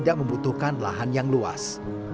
dan juga membutuhkan lahan yang luas